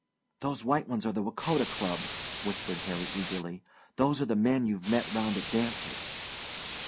"Those white ones are the Wacouta Club," whispered Harry eagerly. "Those are the men you've met round at dances."